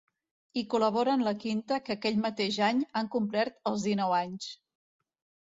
Hi col·laboren la quinta que aquell mateix any han complert els dinou anys.